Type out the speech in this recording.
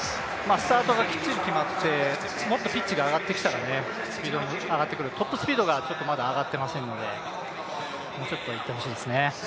スタートがきっちり決まって、もっとピッチが上がってきたら、スピードも上がってくる、トップスピードがまだ上がってませんのでもうちょっといってほしいですね。